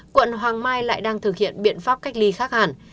quận hoàng mai lại đang thực hiện biện pháp cách ly khác hẳn